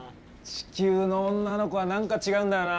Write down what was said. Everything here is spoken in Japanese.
地球の女の子は何か違うんだよな。